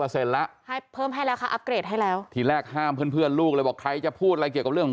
ใช่แล้วตอนแรกแม่บอกให้อภัยแค่๕๐